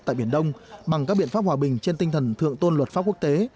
tại biển đông bằng các biện pháp hòa bình trên tinh thần thượng tôn luật pháp quốc tế